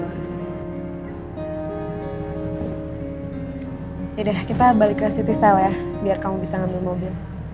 yaudah kita balik ke citystyle ya biar kamu bisa ngambil mobil